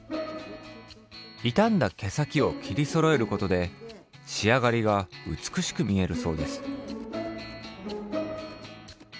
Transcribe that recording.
いたんだ毛先を切りそろえることでしあがりがうつくしく見えるそうです。